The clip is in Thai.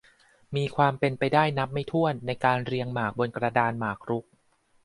มีความเป็นไปได้นับไม่ถ้วน ในการเรียงหมากบนกระดานหมากรุก